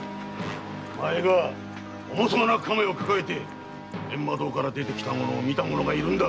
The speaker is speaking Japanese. お前が重そうな瓶を抱えてお堂から出たのを見た者がいるんだ！